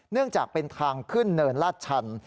เนื่องจากเป็นทางขึ้นเนินลาดชัน